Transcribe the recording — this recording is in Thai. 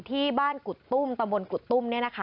ที่บ้านกุดตุ้มตำบลกุดตุ้ม